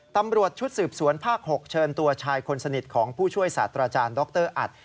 ตำรวจชุดสืบสวนภาค๖เชิญตัวชายคนสนิทของผู้ช่วยศาสตราจารย์ดรอัด